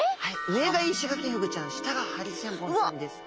上がイシガキフグちゃん下がハリセンボンちゃんです。